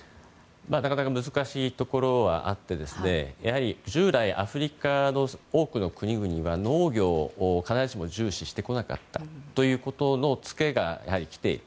なかなか難しいところはあって従来、アフリカの多くの国々が農業を必ずしも重視してこなかったことのつけが来ている。